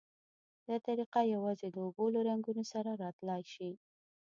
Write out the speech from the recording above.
دا طریقه یوازې د اوبو له رنګونو سره را تلای شي.